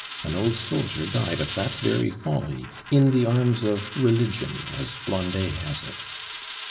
An old soldier died of that very folly 'in the arms of Religion,' as Blondet has it.